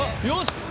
よし！